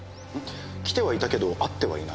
来てはいたけど会ってはいない？